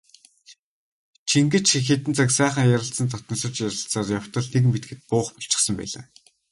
Чингэж хэдэн цаг сайхан ярилцан дотносож ярилцсаар явтал нэг мэдэхэд буух болчихсон байлаа.